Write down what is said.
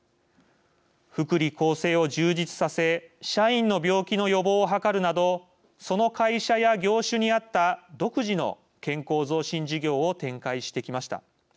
福利厚生を充実させ社員の病気の予防を図るなどその会社や業種にあった独自の健康増進事業を展開してきました。